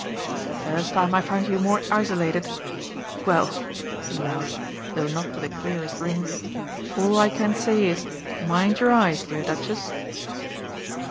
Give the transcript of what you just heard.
But the first time I find you more isolated well," he laughed, though not with the clearest ring, "all I can say is Mind your eyes dear Duchess!"